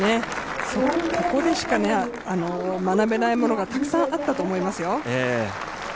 ここでしか学べないものがたくさんあったと思いますよ。